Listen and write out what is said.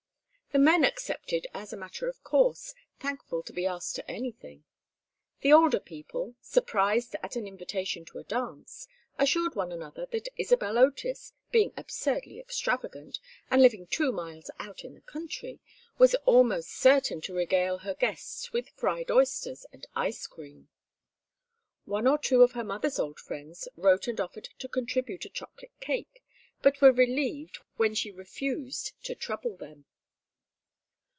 The men accepted as a matter of course, thankful to be asked to anything. The older people, surprised at an invitation to a dance, assured one another that Isabel Otis, being absurdly extravagant, and living two miles out in the country, was almost certain to regale her guests with fried oysters and ice cream. One or two of her mother's old friends wrote and offered to contribute a chocolate cake, but were relieved when she refused to "trouble them."